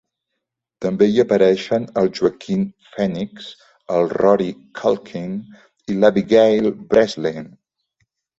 També hi apareixen el Joaquin Phoenix, el Rory Culkin i l'Abigail Breslin.